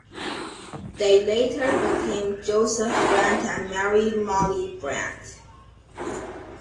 They later became Joseph Brant and Mary "Molly" Brant.